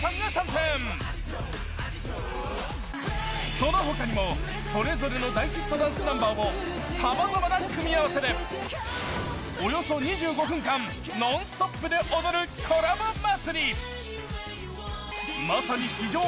その他にもそれぞれの大ヒットダンスナンバーをさまざまな組み合わせでおよそ２５分間、ノンストップで踊るコラボ祭。